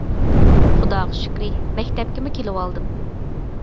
خۇداغا شۈكرى، مەكتەپكىمۇ كېلىۋالدىم.